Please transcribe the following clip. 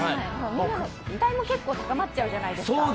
期待も結構高まっちゃうじゃないですか。